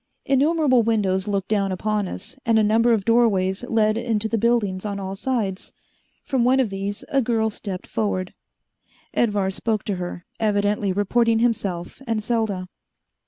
Innumerable windows looked down upon us, and a number of doorways led into the building on all sides. From one of these a girl stepped forward. Edvar spoke to her, evidently reporting himself and Selda.